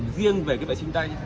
riêng về cái vệ sinh tay